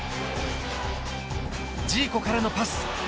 ジーコからのパス。